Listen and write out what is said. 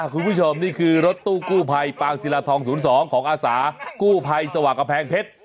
คุณผู้ชมนี่คือรถตู้กู้ภัยปางศิลาทอง๐๒ของอาสากู้ภัยสว่างกำแพงเพชร